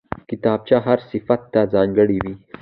کتابچه هر صنف ته ځانګړې وي